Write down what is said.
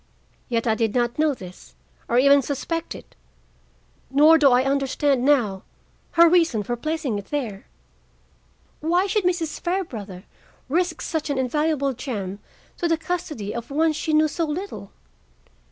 Yet, I did not know this, or even suspect it. Nor do I understand, now, her reason for placing it there. Why should Mrs. Fairbrother risk such an invaluable gem to the custody of one she knew so little?